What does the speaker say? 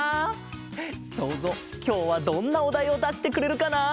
そうぞうきょうはどんなおだいをだしてくれるかな？